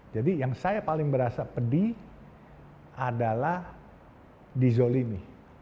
jadi yang saya paling berasa pedih adalah di zolimi